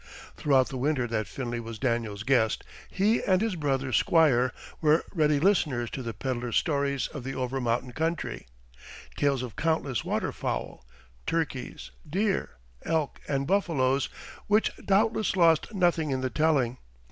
Throughout the winter that Finley was Daniel's guest, he and his brother Squire were ready listeners to the pedler's stories of the over mountain country tales of countless water fowl, turkeys, deer, elk, and buffaloes, which doubtless lost nothing in the telling.